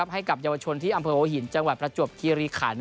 ให้กับเยาวชนที่อำเภอหัวหินจังหวัดประจวบคีรีขัน